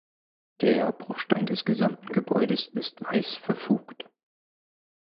Der Bruchstein des gesamten Gebäudes ist weiß verfugt.